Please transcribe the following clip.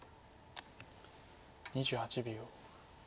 ２８秒。